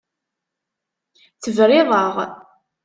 Tebriḍ-aɣ.